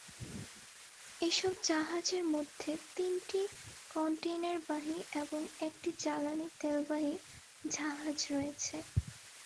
এসব জাহাজের মধ্যে তিনটি কনটেইনারবাহী এবং একটি জ্বালানি তেলবাহী জাহাজ রয়েছে।